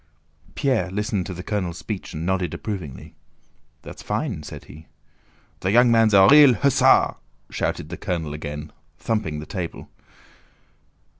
Pierre listened to the colonel's speech and nodded approvingly. "That's fine," said he. "The young man's a real hussar!" shouted the colonel, again thumping the table.